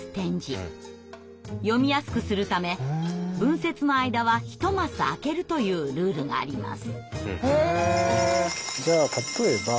読みやすくするため文節の間は１マス空けるというルールがあります。